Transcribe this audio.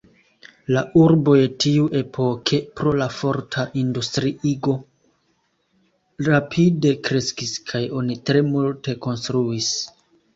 La urboj tiuepoke pro la forta industriigo rapide kreskis kaj oni tre multe konstruis.